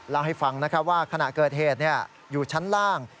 เล่าให้ฟังว่าขณะเกิดเหตุอยู่ชั้นล่าง